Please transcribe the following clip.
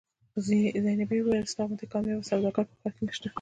زینبې وویل ستا غوندې کاميابه سوداګر په ښار کې نشته.